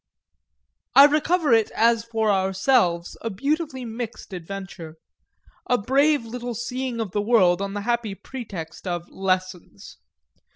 I recover it as for ourselves a beautifully mixed adventure, a brave little seeing of the world on the happy pretext of "lessons."